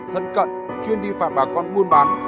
thân cận chuyên đi phạt bà con muôn bán